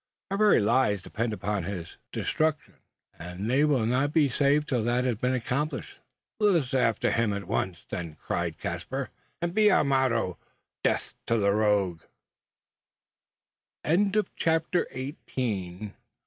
Our very lives depend upon his destruction; and they will not be safe till that has been accomplished." "Let us after him at once, then," cried Caspar; "and be our motto, `_Death to the rogue_'!" CHAPTER NINETEEN.